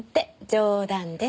冗談です。